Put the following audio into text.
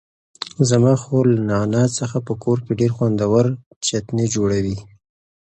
زما خور له نعناع څخه په کور کې ډېر خوندور چتني جوړوي.